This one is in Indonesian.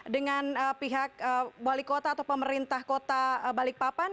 dengan pihak wali kota atau pemerintah kota balikpapan